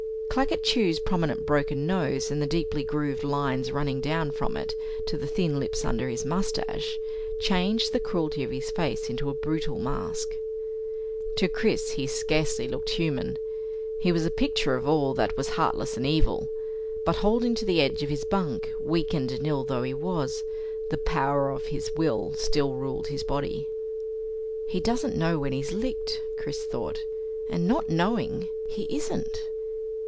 Claggett Chew's prominent broken nose, and the deeply grooved lines running down from it to the thin lips under his mustache, changed the cruelty of his face into a brutal mask. To Chris, he scarcely looked human. He was a picture of all that was heartless and evil. But holding to the edge of his bunk, weakened and ill though he was, the power of his will still ruled his body. He doesn't know when he's licked, Chris thought, and not knowing he isn't!